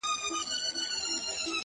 چي د زړکي هره تياره مو روښنايي پيدا کړي،